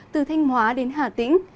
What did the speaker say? từ thanh hóa đến hà tĩnh